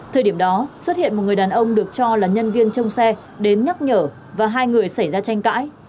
thời điểm đó xuất hiện một người đàn ông được cho là nhân viên trong xe đến nhắc nhở và hai người xảy ra tranh cãi